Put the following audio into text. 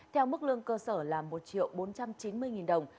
theo mức lương cơ sở là một bốn trăm chín mươi đồng